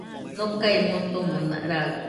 Nokae motomo raɨ,